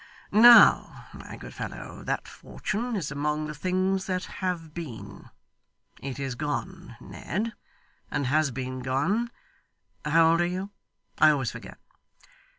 Now, my good fellow, that fortune is among the things that have been. It is gone, Ned, and has been gone how old are you? I always forget.